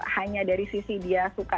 hanya dari sisi dia suka